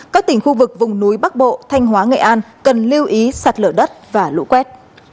các tỉnh khu vực vùng núi bắc bộ thanh hóa nghệ an cần lưu ý sạt lở đất và lũ quét